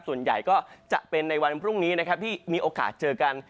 ส่วนใหญ่ก็จะเป็นในวันพรุ่งนี้นะครับที่มีโอกาสเจอกัน